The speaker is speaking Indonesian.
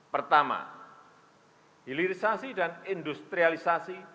pertama hilirisasi dan industrialisasi